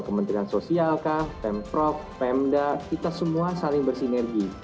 kementerian sosial kah pemprov pemda kita semua saling bersinergi